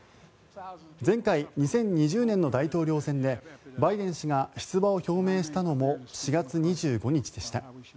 前回２０２０年の大統領選でバイデン氏が出馬を表明したのも４月２５日でした。